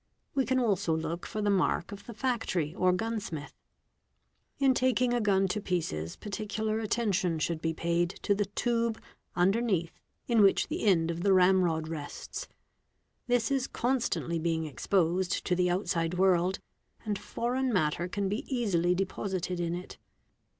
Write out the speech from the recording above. We can also look for the mark of the factory IA gees sae eee, BOS Pe 9h! 1 gunsmith, In taking a gun to pieces, particular attention should be aid to the tube underneath in which the end of the ramrod rests. This 3 constantly being exposed to the outside world, and foreign matter can e easily deposited in it.